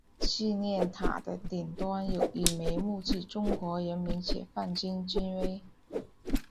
纪念塔的顶端有一枚木质中国人民解放军军徽。